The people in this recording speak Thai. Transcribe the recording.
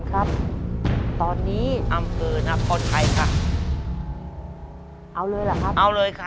ครับตอนนี้อำเภอนครไทยค่ะเอาเลยเหรอครับเอาเลยค่ะ